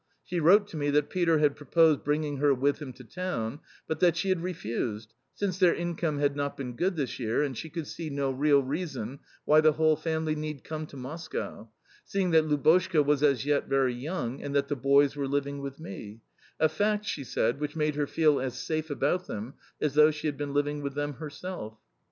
She wrote to me that Peter had proposed bringing her with him to town, but that she had refused, since their income had not been good this year, and she could see no real reason why the whole family need come to Moscow, seeing that Lubotshka was as yet very young and that the boys were living with me a fact, she said, which made her feel as safe about them as though she had been living with them herself."